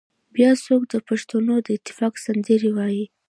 بيا څوک د پښتنو د اتفاق سندرې وايي